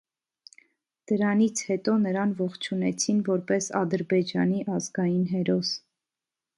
Դրանից հետո նրան ողջունեցին որպես Ադրբեջանի ազգային հերոս: